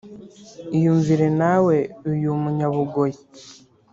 Iyumvire nawe uyu munyabugoyi